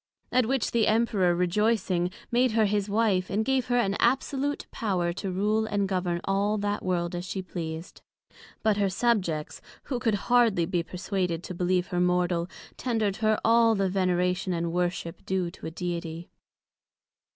At which the Emperor rejoycing, made her his Wife, and gave her an absolute power to rule and govern all that World as she pleased. But her subjects, who could hardly be perswaded to believe her mortal, tender'd her all the Veneration and Worship due to a Deity.